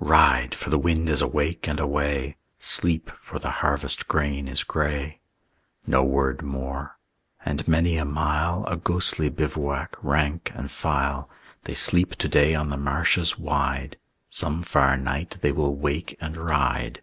"Ride, for the wind is awake and away. Sleep, for the harvest grain is gray." No word more. And many a mile, A ghostly bivouac rank and file, They sleep to day on the marshes wide; Some far night they will wake and ride.